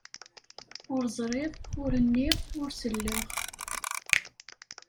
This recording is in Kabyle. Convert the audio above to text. Ur ẓriɣ, ur nniɣ, ur sellaɣ.